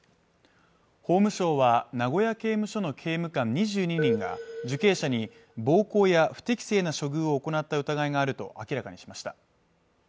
法務省は名古屋刑務所の刑務官２２人が受刑者に暴行や不適正な処遇を行った疑いがあると明らかにしました